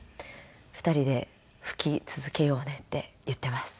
２人で吹き続けようねって言ってます。